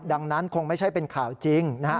ดังนั้นคงไม่ใช่เป็นข่าวจริงนะฮะ